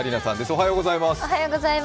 おはようございます。